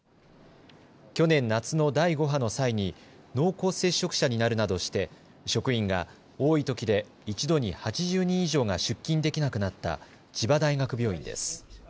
去年夏の第５波の際に濃厚接触者になるなどして職員が多いときで一度に８０人以上が出勤できなくなった千葉大学病院です。